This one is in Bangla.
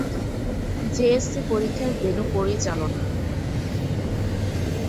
জে এস সি পরীক্ষার ভেন্যু পরিচালনা।